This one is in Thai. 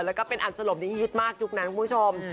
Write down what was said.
วันนี้ฮิตมากยุคนั้นคุณผู้ชม